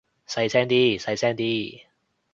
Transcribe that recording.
細聲啲，細聲啲